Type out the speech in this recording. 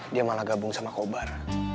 dia malah gabung sama kobar